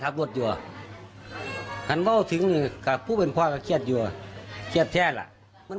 อาปกติมันน้อนแรงอยู่น่ะคือหมาน